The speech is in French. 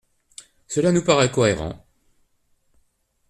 Cela nous paraîtrait cohérent.